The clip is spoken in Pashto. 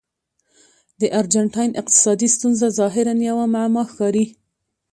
د ارجنټاین اقتصادي ستونزه ظاهراً یوه معما ښکاري.